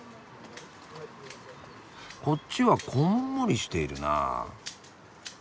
こっちはこんもりしているなあ。